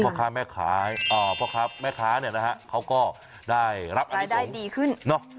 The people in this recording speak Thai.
เพราะแคบแม่คานี้นะฮะเค้าก็ได้รับอัณิครง